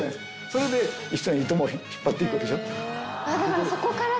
それで一緒に糸も引っ張って行くでしょ。